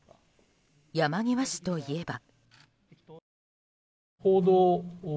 山際氏といえば。